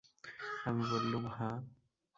আমি বললুম, হাঁ।